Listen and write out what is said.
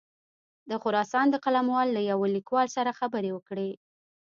د خراسان د قلموال له یوه لیکوال سره خبرې وکړې.